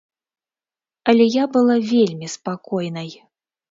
Але я была вельмі спакойнай.